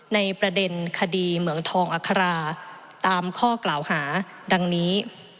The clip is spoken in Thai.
ในประเด็นคดีเหมืองทองอัคราตามข้อกล่าวหาดังนี้